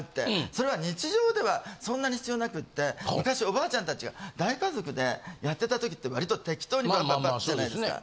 それは日常ではそんなに必要なくって昔おばあちゃん達が大家族でやってた時ってわりと適当にパッパッパッってしてたじゃないですか。